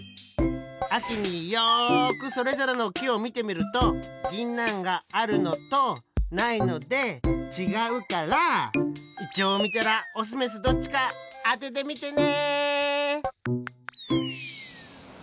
あきによくそれぞれのきをみてみるとぎんなんがあるのとないのでちがうからイチョウをみたらオスメスどっちかあててみてね！